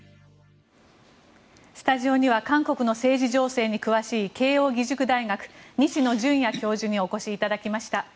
スタジオには韓国の政治情勢に詳しい慶応義塾大学、西野純也教授にお越しいただきました。